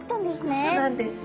そうなんです。